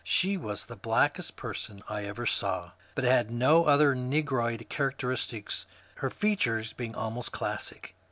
She was the blackest person I ever saw, but had no other negroid characters, her features being almost classic.